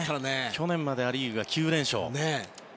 去年までア・リーグが９連勝。